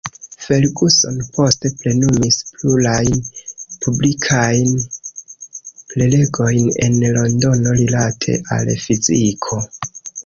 Ferguson poste plenumis plurajn publikajn prelegojn en Londono rilate al fiziko.